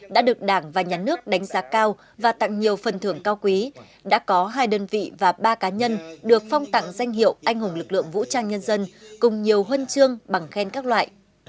đã được đảng và nhà nước đánh giá cao và tặng nhiều phần thưởng cao quý đã có hai đơn vị và ba cá nhân được phong tặng danh hiệu anh hùng lực lượng vũ trang nhân dân cùng nhiều huân chương bằng khen các loại